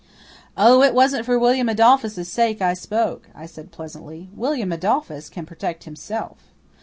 "Oh, it wasn't for William Adolphus' sake I spoke," I said pleasantly. "William Adolphus can protect himself."